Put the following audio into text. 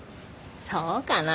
そうかな？